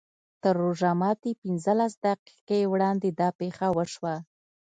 تر روژه ماتي پینځلس دقیقې وړاندې دا پېښه وشوه.